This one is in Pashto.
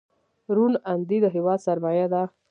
روڼ اندي د هېواد سرمایه ده.